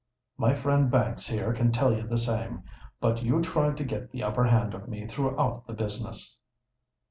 My friend Banks here can tell you the same. But you tried to get the upper hand of me throughout the business."